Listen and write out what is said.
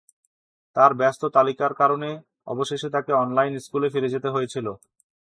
তার ব্যস্ত তালিকার কারণে অবশেষে তাকে অনলাইন স্কুলে ফিরে যেতে হয়েছিল।